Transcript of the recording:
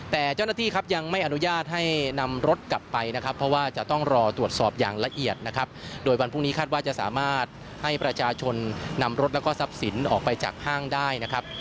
แต่เจ้าหน้าที่ครับยังไม่อนุญาตให้นำรถกลับไปนะครับเพราะว่าจะต้องรอตรวจสอบอย่างละเอียดนะครับโดยวันพรุ่งนี้คาดว่าจะสามารถให้ประชาชนนำรถแล้วก็ทรัพย์สินออกไปจากห้างได้นะครับ